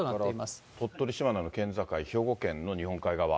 それから鳥取、島根の辺りの県境、兵庫県の日本海側。